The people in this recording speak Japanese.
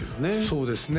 そうですね